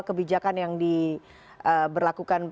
kebijakan yang diberlakukan